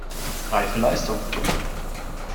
Reife Leistung!